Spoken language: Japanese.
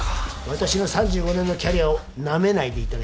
私の３５年のキャリアをなめないでいただきたいね。